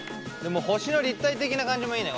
星の立体的な感じもいいねこれ。